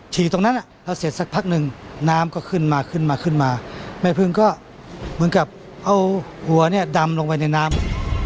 ตรงนั้นแล้วเสร็จสักพักหนึ่งน้ำก็ขึ้นมาขึ้นมาขึ้นมาแม่พึ่งก็เหมือนกับเอาหัวเนี่ยดำลงไปในน้ำ